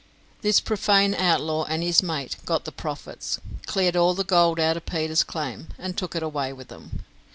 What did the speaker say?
This profane outlaw and his mate got the profits, cleared all the gold out of Peter's claim, and took it away with them.